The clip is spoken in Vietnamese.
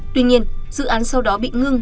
tuy nhiên dự án sau đó bị ngưng